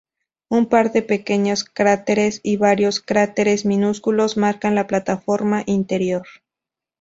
Un par de pequeños cráteres y varios cráteres minúsculos marcan la plataforma interior.